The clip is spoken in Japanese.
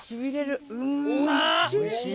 おいしい。